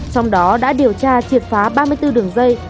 trong đó đã điều tra triệt phá ba mươi bốn đường dây